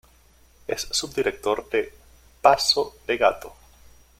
Es subdirector de "Paso de gato.